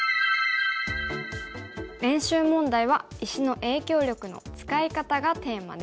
練習問題は石の影響力の使い方がテーマです。